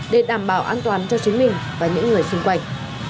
để đảm bảo an toàn cho chính mình và những người xung quanh